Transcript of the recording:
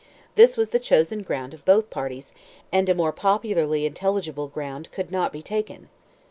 This was the chosen ground of both parties, and a more popularly intelligible ground could not be taken.